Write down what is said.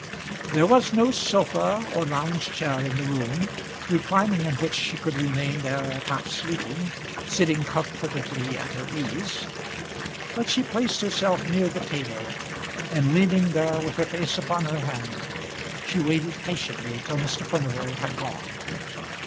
There was no sofa or lounging chair in the room, reclining in which she could remain there half sleeping, sitting comfortably at her ease; but she placed herself near the table, and leaning there with her face upon her hand, she waited patiently till Mr. Furnival had gone.